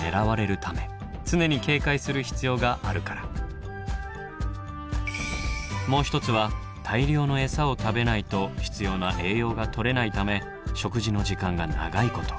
一つはもう一つは大量のエサを食べないと必要な栄養がとれないため食事の時間が長いこと。